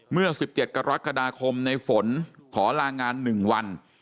เมื่อ๑๗กรกฎาคมในฝนขอลางาน๑วัน